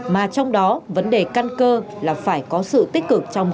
mà trong đó vấn đề căn cơ là phải có sự tích cực trong công tác